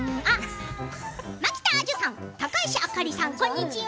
蒔田彩珠さん、高石あかりさんこんにちは。